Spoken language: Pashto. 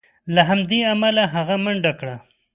له همدې امله هغه منډه کړه.